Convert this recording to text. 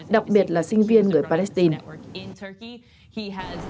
đặc biệt là sinh viên người palestine